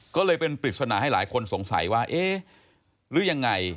ก็เลยเป็นปริศนาให้หลายคนสงสัยว่าเอ๊ะหรือยังไง